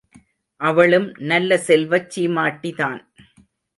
அவளும் நல்ல செல்வச் சீமாட்டிதான்.